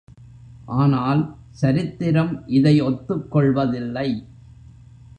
ஆனால் சரித்திரம் இதை ஒத்துக் கொள்வதில்லை.